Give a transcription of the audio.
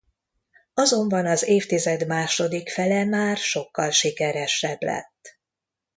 Azonban az évtized második fele már sokkal sikeresebb lett.